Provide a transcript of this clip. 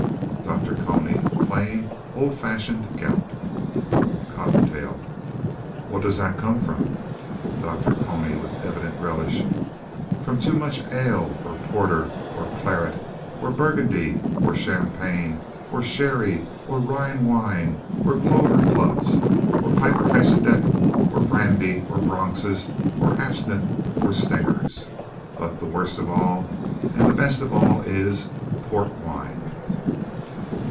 DR. CONY Plain, old fashioned gout. COTTONTAIL What does that come from? DR. CONY (with evident relish) From too much ale or porter or claret or burgundy or champagne or sherry or Rhine Wine or Clover Clubs or Piper Heidsieck or brandy or Bronxes or absinthe or stingers, but the worst of all and the best of all is port wine.